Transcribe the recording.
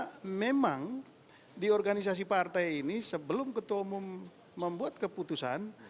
karena memang di organisasi partai ini sebelum ketua umum membuat keputusan